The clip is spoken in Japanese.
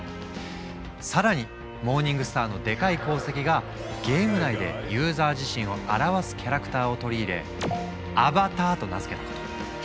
更にモーニングスターのでかい功績がゲーム内でユーザー自身を表すキャラクターを取り入れアバターと名付けたこと。